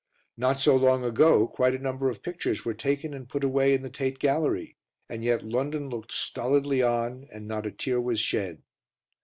Not so long ago quite a number of pictures were taken and put away in the Tate Gallery, and yet London looked stolidly on and not a tear was shed.